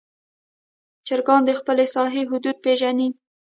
چرګان د خپل ساحې حدود پېژني.